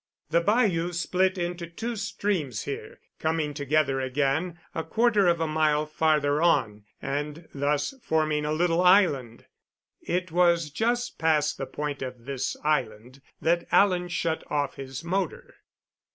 The bayou split into two streams here, coming together again a quarter of a mile farther on, and thus forming a little island. It was just past the point of this island that Alan shut off his motor.